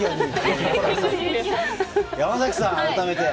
山崎さん、改めて。